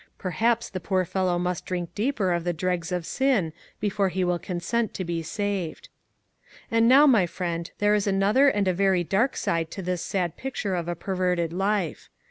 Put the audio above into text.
Perhaps the poor fellow must drink deeper of the dregs of siu before he will consent to be saved. And now, my friend, there is another and a verf 384 ONE COMMONPLACE DAY. dark side to this sad picture of a perverted life.